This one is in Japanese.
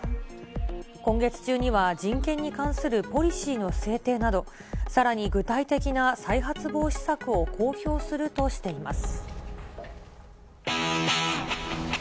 今月中には人権に関するポリシーの制定など、さらに具体的な再発防止策を公表するとしています。